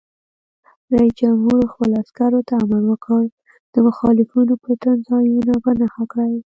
رئیس جمهور خپلو عسکرو ته امر وکړ؛ د مخالفینو پټنځایونه په نښه کړئ!